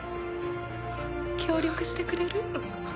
協力してくれる？あっ。